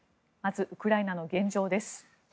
まず、ウクライナの現状です。